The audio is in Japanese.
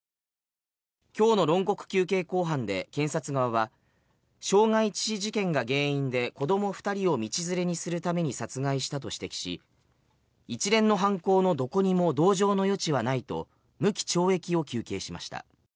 今日の論告求刑公判で検察側は傷害致死事件が原因で子ども２人を道ずれにするために殺害したと指摘し一連の犯行のどこにも同情の余地はないと無期懲役を求刑しました。